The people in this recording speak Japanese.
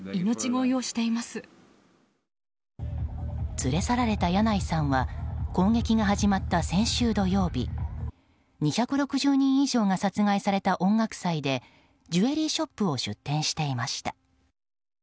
連れ去られたヤナイさんは攻撃が始まった先週土曜日２６０人以上が殺害された音楽祭でジュエリーショップを出店していました。